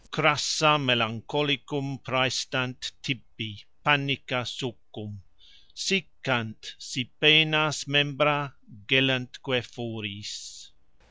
Crassa melancholicum præstant tibi Panica succum Siccant, si penas membra, gelantque foris.